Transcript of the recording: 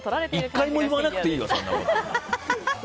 １回も言わなくていいわ！